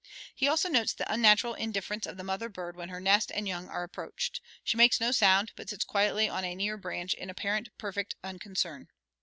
He also notes the unnatural indifference of the mother bird when her nest and young are approached. She makes no sound, but sits quietly on a near branch in apparent perfect unconcern.